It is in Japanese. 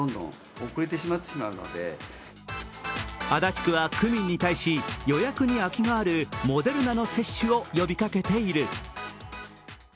足立区は区民に対し予約に空きがあるモデルナの接種を呼びかけている。